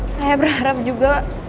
saya berharap juga